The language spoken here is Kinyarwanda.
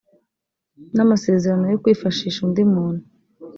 n amasezerano yo kwifashisha undi muntu